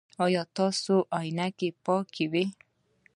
ایا ستاسو عینکې به پاکې وي؟